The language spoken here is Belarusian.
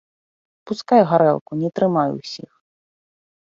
Пускай гарэлку, не трымай усіх.